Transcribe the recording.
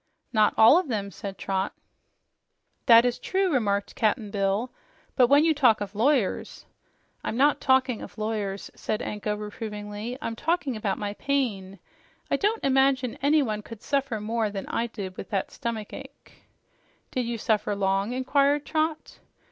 "Not all of them," said Trot. "That is true," remarked Cap'n Bill. "But when you talk of lawyers " "I'm not talking of lawyers," said Anko reprovingly. "I'm talking about my pain. I don't imagine anyone could suffer more than I did with that stomach ache." "Did you suffer long?" inquired Trot.